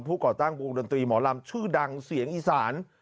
ก่อตั้งวงดนตรีหมอลำชื่อดังเสียงอีสาน